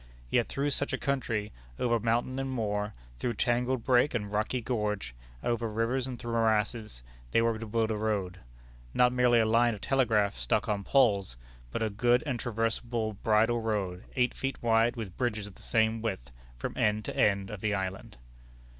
Yet through such a country, over mountain and moor, through tangled brake and rocky gorge, over rivers and through morasses, they were to build a road not merely a line of telegraph stuck on poles, but "a good and traversable bridle road, eight feet wide, with bridges of the same width," from end to end of the island.